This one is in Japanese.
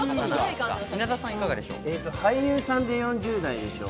俳優さんで４０代でしょ。